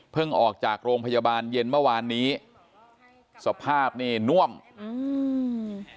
ออกจากโรงพยาบาลเย็นเมื่อวานนี้สภาพนี่น่วมอืม